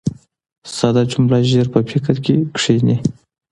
ساده جمله ژر په فکر کښي کښېني.